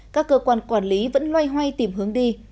các cơ quan quản lý vẫn loay hoay tìm hướng đi